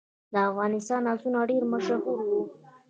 د افغانستان آسونه ډیر مشهور وو